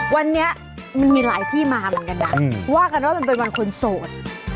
วันนี้มันมีหลายที่มาเหมือนกันนะว่ากันว่ามันเป็นวันคนโสด